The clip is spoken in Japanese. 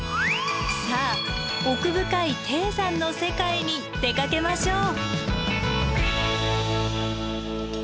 さあ奥深い低山の世界に出かけましょう！